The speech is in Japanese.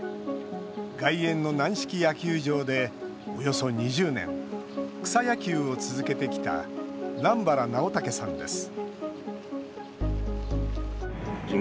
外苑の軟式野球場でおよそ２０年草野球を続けてきた南原直岳さんです